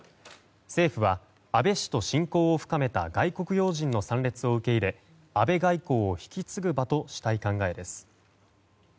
政府は、安倍氏と親交を深めた外国要人の参列を受け入れ安倍外交を引き継ぐ場としたい考えです。